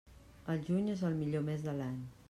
El juny és el millor mes de l'any.